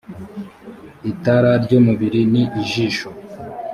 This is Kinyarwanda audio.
itara ry’ umubiri ni ijisho